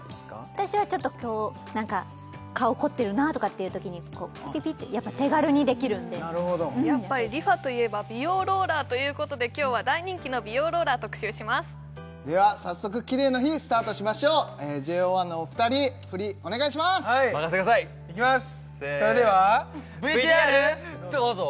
私はちょっと今日何か顔凝ってるなとかっていう時にこうピピピってやっぱ手軽にできるんでなるほどやっぱりＲｅＦａといえば美容ローラーということで今日は大人気の美容ローラー特集しますでは早速キレイの日スタートしましょうＪＯ１のお二人フリお願いします任せてくださいいきます